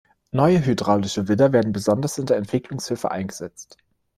Neue hydraulische Widder werden besonders in der Entwicklungshilfe eingesetzt.